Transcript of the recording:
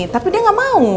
tapi dia gak mau